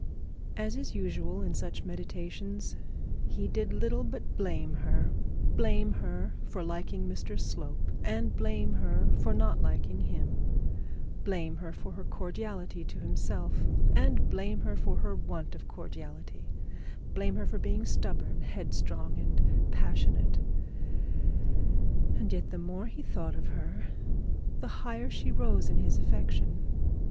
As is usual in such meditations, he did little but blame her; blame her for liking Mr Slope, and blame her for not liking him; blame her for her cordiality to himself, and blame her for her want of cordiality; blame her for being stubborn, headstrong, and passionate; and yet the more he thought of her the higher she rose in his affection.